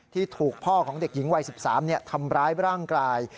ที่ถูกพ่อของเด็กหญิงวัยสิบสามเนี่ยทำร้ายร่างกาย